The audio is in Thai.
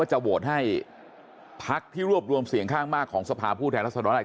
ให้ภักดิ์ที่รวบรวมเสียงข้างมากของสภาพผู้แทนลักษณะอะไร